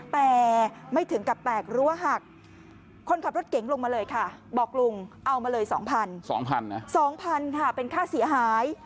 เอามาเลย๒๐๐๐บาท๒๐๐๐บาทค่ะเป็นค่าเสียหาย